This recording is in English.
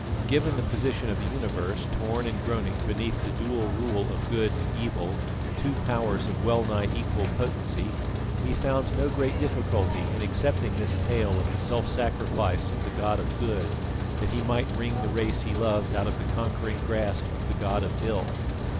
Given the position of a universe torn and groaning beneath the dual rule of Good and Evil, two powers of well nigh equal potency, he found no great difficulty in accepting this tale of the self sacrifice of the God of Good that He might wring the race He loved out of the conquering grasp of the god of Ill.